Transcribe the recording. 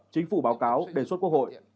chính phủ báo cáo đề xuất quốc hội